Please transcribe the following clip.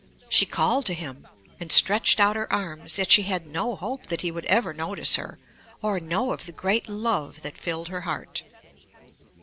She called to him and stretched out her arms, yet she had no hope that he would ever notice her or know of the great love that filled her heart.